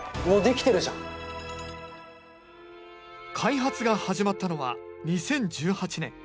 開発が始まったのは２０１８年。